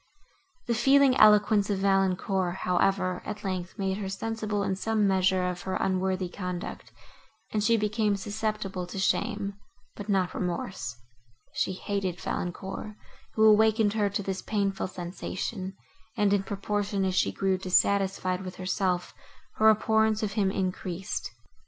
The feeling eloquence of Valancourt, however, at length, made her sensible in some measure of her unworthy conduct, and she became susceptible to shame, but not remorse: she hated Valancourt, who awakened her to this painful sensation, and, in proportion as she grew dissatisfied with herself, her abhorrence of him increased.